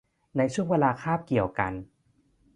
ในช่วงเวลาคาบเกี่ยวกัน